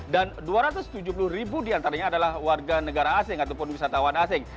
dan dua ratus tujuh puluh ribu diantaranya adalah warga negara asing ataupun wisatawan asing